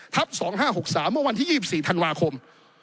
๒๕๖๓เมื่อวันที่๒๔ธันวาคม